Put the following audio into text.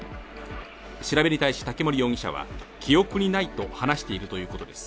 調べに対し竹森容疑者は記憶にないと話しているということです。